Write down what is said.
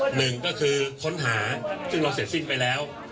หนึ่งก็คือค้นหาซึ่งเราเสร็จสิ้นไปแล้ว